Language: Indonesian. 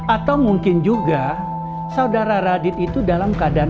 atau mungkin juga saudara radit itu dalam keadaan